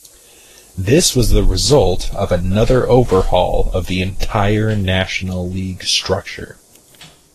This was the result of another overhaul of the entire national league structure.